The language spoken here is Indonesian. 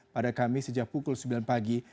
pada kami sejak pukul sembilan pagi